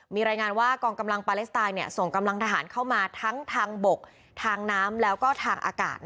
มีรายงานว่ากองกำลังปาเลสไตน์ส่งกำลังทหารเข้ามาทั้งทางบกทางน้ำแล้วก็ทางอากาศ